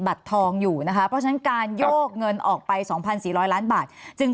ทองอยู่นะคะเพราะฉะนั้นการโยกเงินออกไป๒๔๐๐ล้านบาทจึง